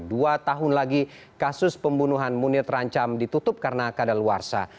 dua tahun lagi kasus pembunuhan munir terancam ditutup karena kadaluarsa